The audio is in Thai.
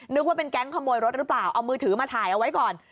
นึกว่าเป็นแก๊งขโมยรถหรือเปล่าเอามือถือมาถ่ายเอาไว้ก่อน